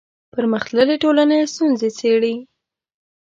پرمختللې ټولنې ستونزې څېړي